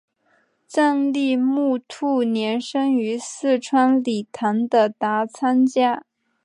藏历木兔年生于四川理塘的达仓家。